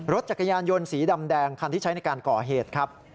รถจักรยานยนต์สีดำแดงคันที่ใช้ในการก่อเหตุครับ